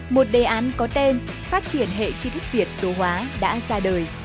một đề án có tên phát triển hệ chi thức việt số hóa đã ra đời